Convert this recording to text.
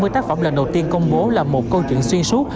năm mươi tác phẩm lần đầu tiên công bố là một câu chuyện xuyên suốt